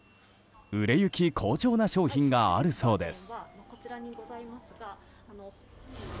売れ行き好調な商品があるそうです。